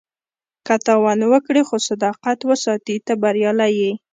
که تاوان وکړې خو صداقت وساتې، ته بریالی یې.